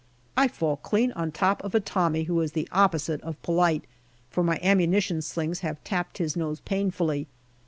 I fall clean on top of a Tommy, who is the opposite of polite, for my ammunition slings had tapped his nose painfully.